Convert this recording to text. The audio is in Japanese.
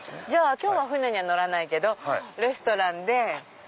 今日は船には乗らないけどレストランで。